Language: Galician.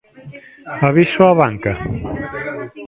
Aviso á banca?